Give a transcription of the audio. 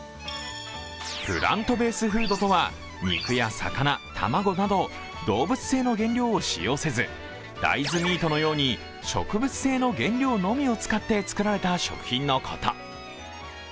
プラントベースフードとは肉や魚、卵など動物性の原料を使用せず、大豆ミートのように植物性の原料のみを使って作られた食品のこと。